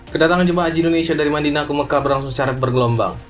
kedatangan jemaah haji indonesia dari mandinah ke mekah berlangsung secara bergelombang